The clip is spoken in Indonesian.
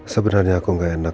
sebenarnya aku nggak enak